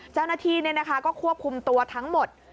เจ้าหน้าที่ก็ควบคุมตัวทั้งหมด